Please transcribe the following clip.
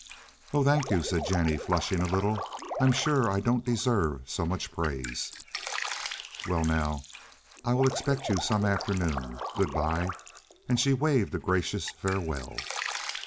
"Oh, thank you," said Jennie flushing a little. "I'm sure I don't deserve so much praise." "Well, now I will expect you some afternoon. Good by," and she waved a gracious farewell.